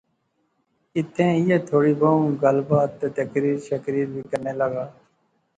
ایتھیں ایہہ تھوڑی بہوں گل بات تہ تقریر شقریر وی کرنے لاغا